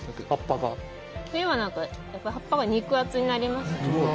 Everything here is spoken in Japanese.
冬はやっぱり葉っぱが肉厚になりますね。